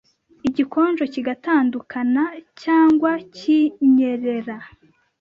igikonjo kigatandukanacyangwa kinyerera